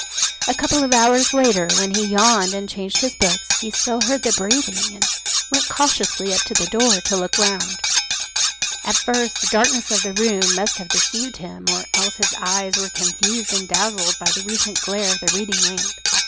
A couple of hours later, when he yawned and changed his books, he still heard the breathing, and went cautiously up to the door to look round. At first the darkness of the room must have deceived him, or else his eyes were confused and dazzled by the recent glare of the reading lamp.